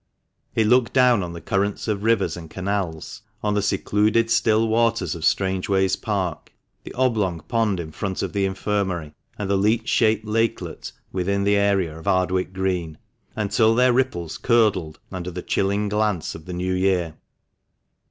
It looked down on the currents of rivers and canals, on the secluded still waters of Strangeways Park, the oblong pond in front of the Infirmary, and the leech shaped lakelet within the area of Ardwick Green, until their ripples curdled under the chilling glance of the New Year.